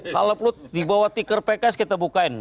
kalau perlu dibawa tikar pks kita bukain